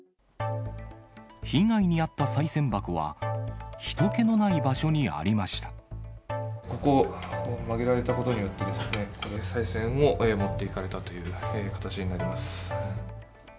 被害に遭ったさい銭箱は、ここを曲げられたことによって、これ、さい銭を持っていかれたという形になります。